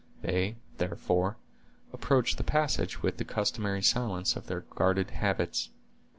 They, therefore, approached the passage with the customary silence of their guarded habits.